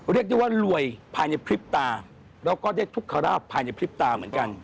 เรียกได้ว่ารวยภายในพริบตาแล้วก็ได้ทุกขราบภายในพริบตาเหมือนกัน